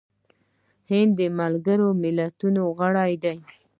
هند د ملګرو ملتونو غړی دی.